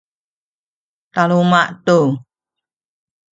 taluma’ tu